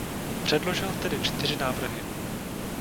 Předložil tedy čtyři návrhy.